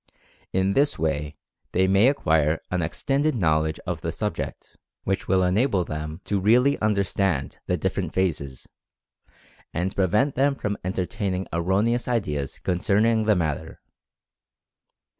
In this way they may acquire an extended knowledge of the subject, which will enable them to really "understand" the dif 90 Mental Fascination ferent phases, and prevent them from entertaining er roneous ideas concerning the matter.